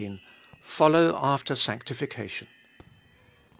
FOLLOW AFTER SANCTIFICATION.